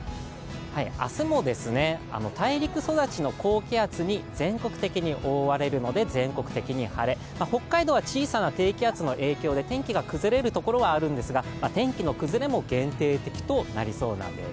明日も大陸育ちの高気圧に全国的に覆われるので、全国的に晴れ、北海道は小さな低気圧の影響で天気が崩れる所はあるんですが、天気の崩れも限定的となりそうです。